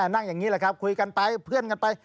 นั่งอย่างนี้แหละครับคุยกันไปเพื่อนกันไป